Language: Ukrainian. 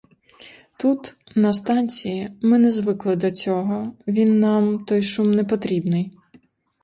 Тут, на станції, ми не звикли до цього, він нам, той шум, не потрібний.